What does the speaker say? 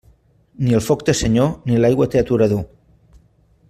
Ni el foc té senyor ni l'aigua té aturador.